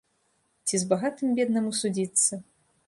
Ці з багатым беднаму судзіцца?